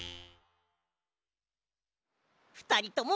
ふたりとも